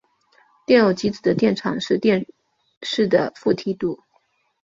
电偶极子的电场是电势的负梯度。